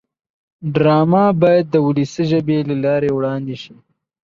ډرامه باید د ولسي ژبې له لارې وړاندې شي